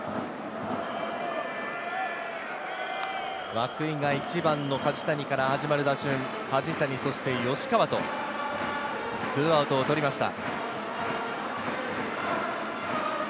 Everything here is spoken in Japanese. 涌井が１番の梶谷から始まる打順、梶谷、そして吉川と２アウトを取りました。